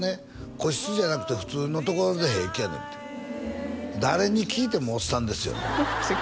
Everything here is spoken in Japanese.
個室じゃなくて普通のところで平気やねんて誰に聞いてもおっさんですよ